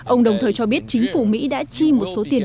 ông đồng thời cho biết chính phủ mỹ đã chi một số tiền